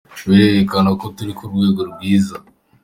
Birerekana ko turi ku rwego rwiza.